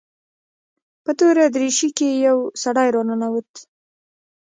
په توره دريشي کښې يو سړى راننوت.